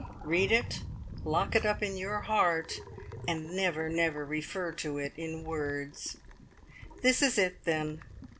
Read it, lock it up in your heart, and never, never refer to it in words! This is it, then.